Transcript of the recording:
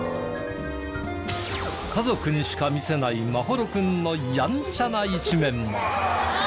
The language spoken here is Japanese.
家族にしか見せない眞秀君のやんちゃな一面も。